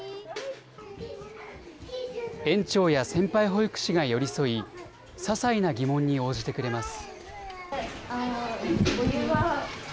園長や先輩保育士が寄り添い、ささいな疑問に応じてくれます。